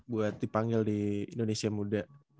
buat dipanggil di indonesia muda